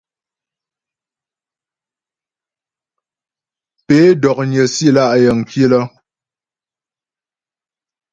Pé dó'nyə́ si lá' yəŋ kilə́ ?